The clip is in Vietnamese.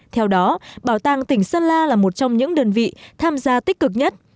theo đó bảo tàng tỉnh sơn la là một trong những đơn vị tham gia tích cực nhất